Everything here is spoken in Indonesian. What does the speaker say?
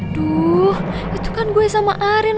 aduh itu kan gue sama arin